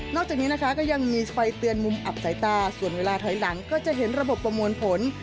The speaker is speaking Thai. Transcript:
จากนี้นะคะก็ยังมีไฟเตือนมุมอับสายตาส่วนเวลาถอยหลังก็จะเห็นระบบประมวลผล